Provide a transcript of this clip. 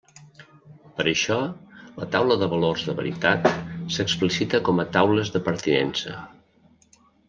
Per això, la taula de valors de veritat s'explicita com a taules de pertinença.